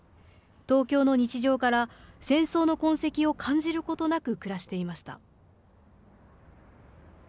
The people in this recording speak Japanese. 東京の日常から、戦争の痕跡を感じることなく暮らしていました。